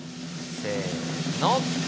せの！